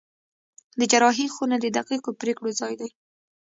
د جراحي خونه د دقیقو پرېکړو ځای دی.